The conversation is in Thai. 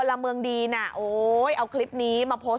มันกลับมาที่สุดท้ายแล้วมันกลับมาที่สุดท้ายแล้ว